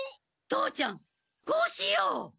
父ちゃんこうしよう！